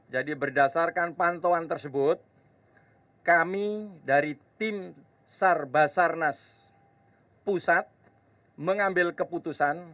jadi berdasarkan pantauan tersebut kami dari tim sar basarnas pusat mengambil keputusan bahwa